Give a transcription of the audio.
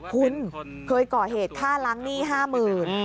คุณเคยก่อเหตุฆ่าล้างหนี้ห้ามือ